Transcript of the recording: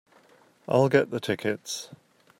I'll get the tickets.